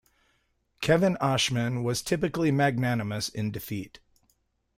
Kevin Ashman was typically magnanimous in defeat.